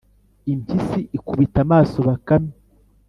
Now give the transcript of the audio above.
impyisi ikubita amaso bakame